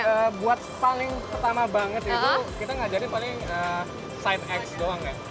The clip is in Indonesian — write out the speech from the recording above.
jadi buat paling pertama banget itu kita ngajarin paling side x doang ya